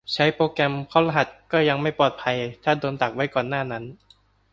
ใช้โปรแกรมเข้ารหัสก็ยังไม่ปลอดภัย ถ้าโดนดักก่อนหน้านั้น